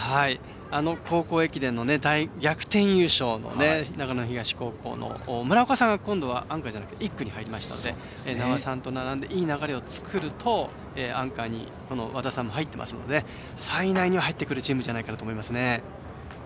高校駅伝の逆転優勝の長野東高校の村岡さんが今度はアンカーじゃなくて１区に入りましたので名和さんと並んでいい流れを作るとアンカーに和田さんも入っていますので３位以内には入ってくるチームだと思いますね。